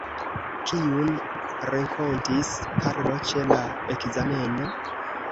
Kiun renkontis Karlo ĉe la ekzameno?